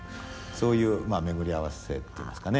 そういう巡り合わせっていいますかね。